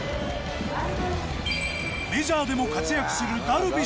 メジャーでも活躍するダルビッシュもいるが。